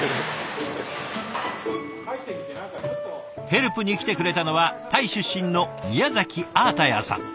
ヘルプに来てくれたのはタイ出身の宮崎アータヤーさん。